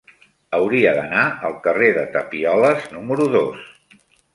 Hauria d'anar al carrer de Tapioles número dos.